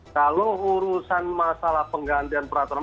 kalau urusan masalah penggantian peraturan